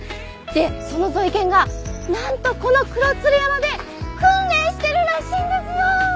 でそのゾイケンがなんとこの黒鶴山で訓練してるらしいんですよ！